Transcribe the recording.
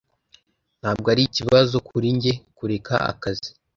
ntabwo ari ikibazo kuri njye kureka akazi.